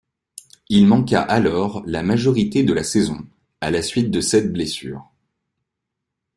Il manqua alors la majorité de la saison à la suite de cette blessure.